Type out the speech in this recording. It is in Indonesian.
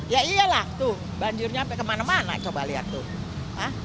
ya iyalah tuh banjirnya sampai kemana mana coba lihat tuh